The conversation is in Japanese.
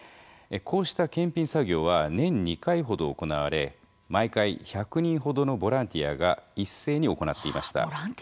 こうした検品作業は年２回ほど行われ毎回１００人ほどのボランティアが一斉に行っていました。